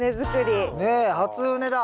ねえ初畝だ。